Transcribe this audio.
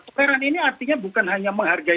toleran ini artinya bukan hanya menghargai